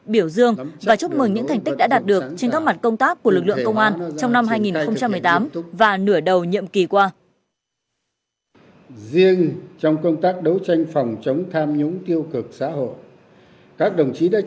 biểu dương và chúc mừng những thành tích đã đạt được trên các mặt công tác của lực lượng công an trong năm hai nghìn một mươi tám và nửa đầu nhiệm kỳ qua